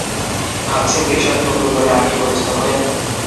ভাবছেন এর সাথে নতুন করে আর কি পরিচিত হবেন?